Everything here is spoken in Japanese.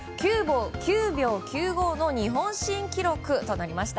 ９秒９５の日本新記録となりました。